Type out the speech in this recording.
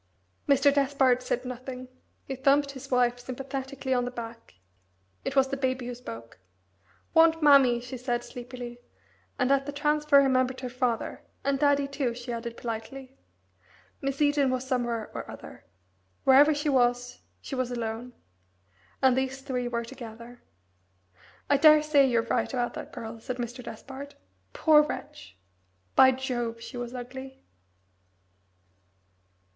Mr. Despard said nothing. He thumped his wife sympathetically on the back. It was the baby who spoke. "Want mammy," she said sleepily, and at the transfer remembered her father, "and daddy too," she added politely. Miss Eden was somewhere or other. Wherever she was she was alone. And these three were together. "I daresay you're right about that girl," said Mr. Despard. "Poor wretch! By Jove, she was ugly!"